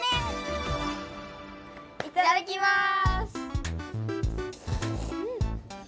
いただきます！